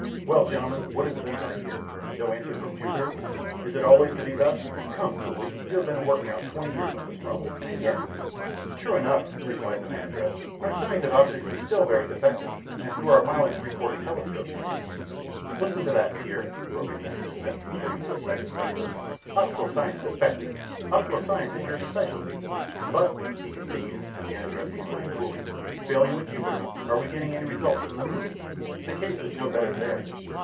"Well, gentlemen, what is this I hear? No answer from Jupiter? Is it always to be thus? Come, Cooley, you have been at work now twenty years on this problem, and yet " "True enough," replied the man addressed. "Our science of optics is still very defective, and through our mile and three quarter telescopes " "Listen to that, Peer," broke in Mr. Smith, turning to a second scientist. "Optical science defective! Optical science is your specialty. But," he continued, again addressing William Cooley, "failing with Jupiter, are we getting any results from the moon?" "The case is no better there."